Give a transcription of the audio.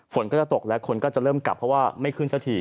ฝนก็จะตกแล้วคนก็จะเริ่มกลับเพราะว่าไม่ขึ้นสักที